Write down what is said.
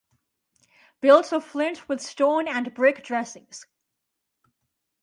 Built of flint with stone and brick dressings.